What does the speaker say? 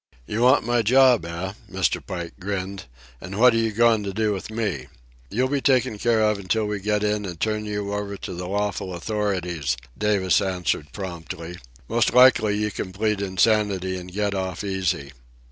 "You want my job, eh?" Mr. Pike grinned. "An' what are you goin' to do with me?" "You'll be taken care of until we get in an' turn you over to the lawful authorities," Davis answered promptly. "Most likely you can plead insanity an' get off easy."